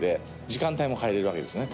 時間帯も変えられるわけですね